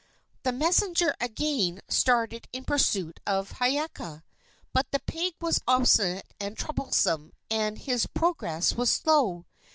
The messenger again started in pursuit of Hiiaka, but the pig was obstinate and troublesome, and his progress was slow.